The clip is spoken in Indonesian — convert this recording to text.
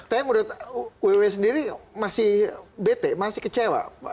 saya menurut wb sendiri masih bete masih kecewa